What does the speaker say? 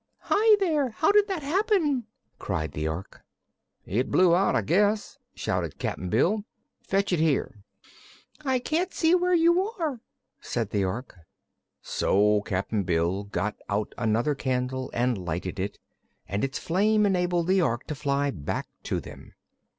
"Hi, there! How did that happen?" cried the Ork. "It blew out, I guess," shouted Cap'n Bill. "Fetch it here." "I can't see where you are," said the Ork. So Cap'n Bill got out another candle and lighted it, and its flame enabled the Ork to fly back to them.